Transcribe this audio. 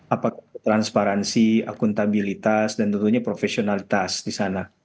apakah transparansi akuntabilitas dan tentunya profesionalitas di sana